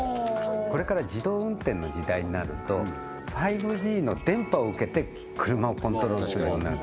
これから自動運転の時代になると５Ｇの電波を受けて車をコントロールするようになる